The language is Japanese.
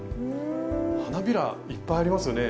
花びらいっぱいありますよね